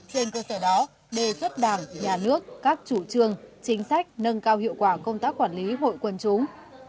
trên cơ sở đó đề xuất đảng nhà nước các chủ trương chính sách nâng cao hiệu quả công tác quản lý hội quân chúng